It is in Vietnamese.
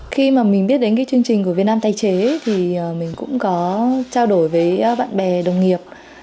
khi mà mình biết đến cái chương trình của việt nam tái chế thì mình cũng có trao đổi với bạn bè đồng nghiệp